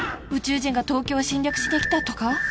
宇宙人が東京を侵略してきたとか